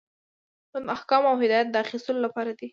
دا د احکامو او هدایت د اخیستلو لپاره دی.